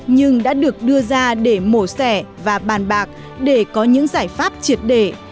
nhưng đã được đưa ra để mổ xẻ và bàn bạc để có những giải pháp triệt để